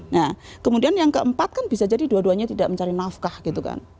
nah kemudian yang keempat kan bisa jadi dua duanya tidak mencari nafkah gitu kan